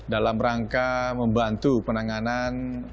dalam rangka membantu pemudik yang membutuhkan perangkat yang disiapkan oleh kor lantas